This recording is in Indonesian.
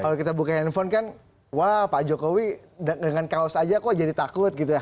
kalau kita buka handphone kan wah pak jokowi dengan kaos aja kok jadi takut gitu ya